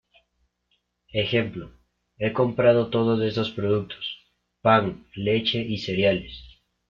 Ej: He comprado todos estos productos: pan, leche y cereales.